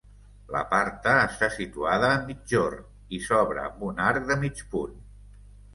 La parta està situada a migjorn i s'obre amb un arc de mig punt.